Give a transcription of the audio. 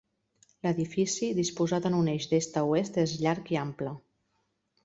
L'edifici, disposat en un eix d'est a oest, és llarg i ample.